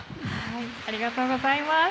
ありがとうございます。